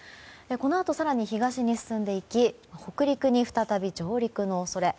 このあと、更に東に進んでいき北陸に再び上陸の恐れ。